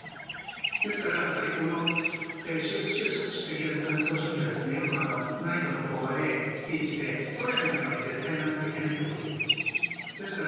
ですから、習総書記はよく内部の講話、スピーチでソ連のように絶対になってはいけないというんです。